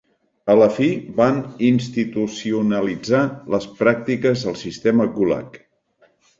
A la fi van institucionalitzar las pràctiques al sistema Gulag.